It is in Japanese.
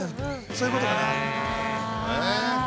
◆そういうことか。